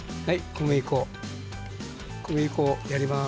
小麦粉をやります。